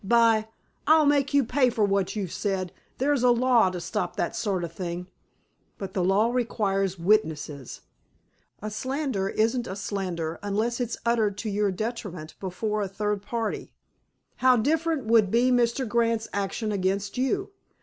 By—, I'll make you pay for what you've said. There's a law to stop that sort of thing." "But the law requires witnesses. A slander isn't a slander unless it's uttered to your detriment before a third party. How different would be Mr. Grant's action against you!